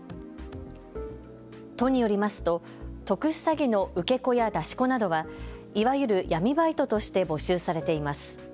都によりますと、特殊詐欺の受け子や出し子などはいわゆる闇バイトとして募集されています。